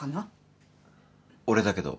俺だけど。